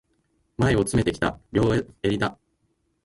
前を詰めてきた、両襟だ。